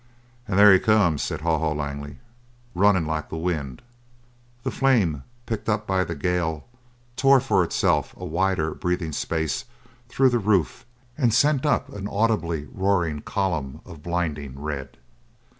"And there he comes!" said Haw Haw Langley. "Runnin' like the wind!" The flame, picked up by the gale, tore for itself a wider breathing space through the roof and sent up an audibly roaring column of blinding red.